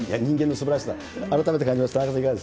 人間のすばらしさ、改めて感じました。